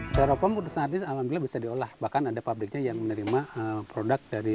serofoam untuk saat ini alhamdulillah bisa diolah bahkan ada publiknya yang menerima produk dari